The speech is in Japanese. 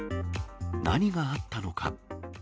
何があったのか。